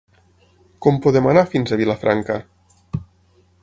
Com podem anar fins a Vilafranca?